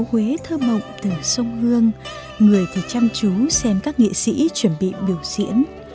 câu huế thơ mộng từ sông hương người thì chăm chú xem các nghệ sĩ chuẩn bị biểu diễn